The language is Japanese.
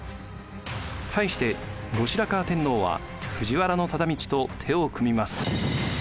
対して後白河天皇は藤原忠通と手を組みます。